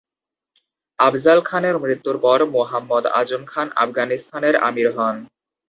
আফজাল খানের মৃত্যুর পর মুহাম্মদ আজম খান আফগানিস্তানের আমির হন।